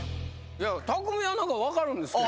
たくみは何か分かるんですけど。